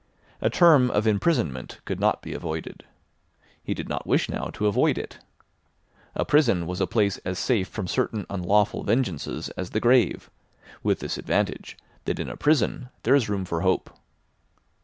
A term of imprisonment could not be avoided. He did not wish now to avoid it. A prison was a place as safe from certain unlawful vengeances as the grave, with this advantage, that in a prison there is room for hope.